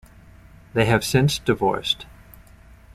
They have since divorced.